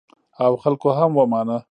او خلکو هم ومانه.